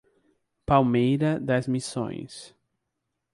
Palmeira das Missões